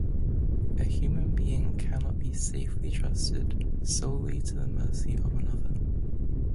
A human being cannot be safely trusted solely to the mercy of another.